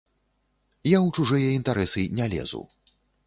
Я ў чужыя інтарэсы не лезу.